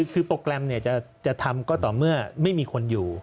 คือโปรแกรมจะทำก็ต่อเมื่อไม่มีคนอยู่